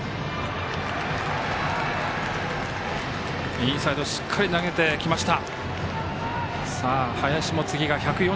インサイドしっかり投げてきました。